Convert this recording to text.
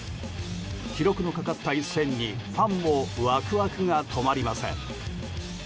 記録のかかった一戦にファンもワクワクが止まりません。